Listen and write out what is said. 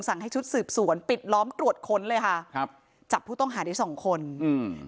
ให้ชุดสืบสวนปิดล้อมตรวจค้นเลยค่ะครับจับผู้ต้องหาได้สองคนอืม